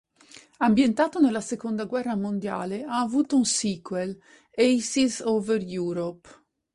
Ambientato nella Seconda guerra mondiale, ha avuto un "sequel": "Aces over Europe".